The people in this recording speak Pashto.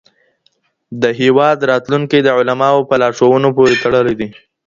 د هېواد راتلونکی د علماوو په لارښوونو پوري تړلی دی.